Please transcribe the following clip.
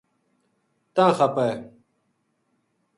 تاں خپا ہے